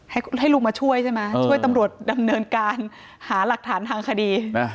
ให้ลุงมาช่วยใช่ไหมช่วยตำรวจดำเนินการหาหลักฐานทางคดี